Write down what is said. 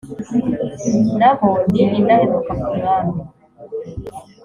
na bo ni indahemuka ku Mwami